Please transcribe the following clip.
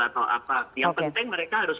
atau apa yang penting mereka harus